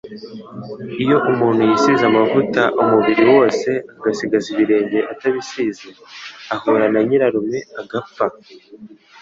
Umuntu iyo yisize amavuta umubiri wose agasigaza ibirenge atabisize, ahura na Nyirarume agapfa